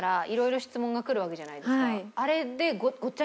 あれで。